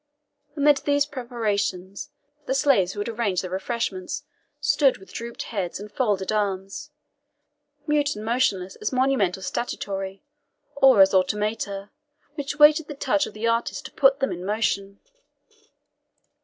Amid these preparations, the slaves who had arranged the refreshments stood with drooped heads and folded arms, mute and motionless as monumental statuary, or as automata, which waited the touch of the artist to put them in motion.